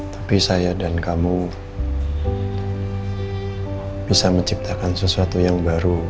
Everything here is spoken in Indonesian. tapi saya dan kamu bisa menciptakan sesuatu yang baru